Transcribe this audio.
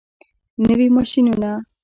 نوي ماشینونه.